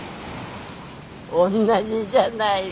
おんなじじゃないの！